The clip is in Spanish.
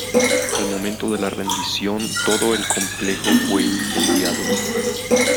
Al momento de la rendición, todo el complejo fue incendiado.